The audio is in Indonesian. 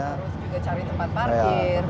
harus juga cari tempat parkir bayar parkir